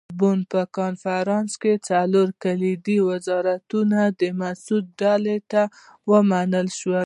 د بُن په کنفرانس کې څلور کلیدي وزارتونه د مسعود ډلې ته ومنل شول.